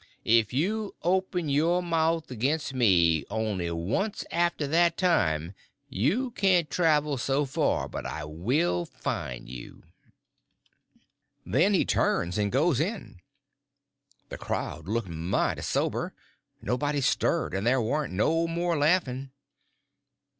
If you open your mouth against me only once after that time you can't travel so far but I will find you." Then he turns and goes in. The crowd looked mighty sober; nobody stirred, and there warn't no more laughing.